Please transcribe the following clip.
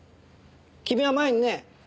君は前にね。